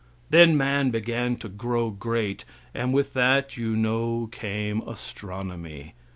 Then man began to grow great, and with that you know came astronomy.